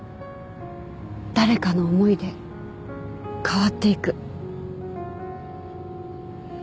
誰かの思いで変わっていく。